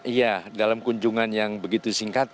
iya dalam kunjungan yang begitu singkat